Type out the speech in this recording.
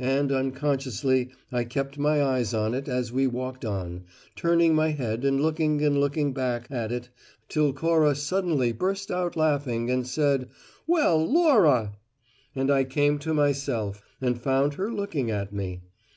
And unconsciously I kept my eyes on it, as we walked on, turning my head and looking and looking back at it, till Cora suddenly burst out laughing, and said: `Well, Laura!' And I came to myself and found her looking at me.